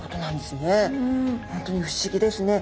本当に不思議ですね。